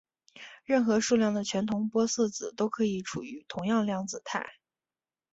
任意数量的全同玻色子都可以处于同样量子态。